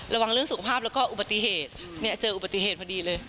ระวังเรื่องสุขภาพแล้วก็อุปติเหตุเจออุปติเหตุพอดีเลย